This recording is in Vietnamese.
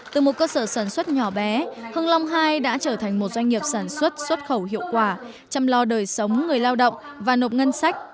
từ một cơ sở sản xuất nhỏ bé hưng long ii đã trở thành một doanh nghiệp sản xuất xuất khẩu hiệu quả chăm lo đời sống người lao động và nộp ngân sách